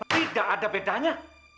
tidak ada bedanya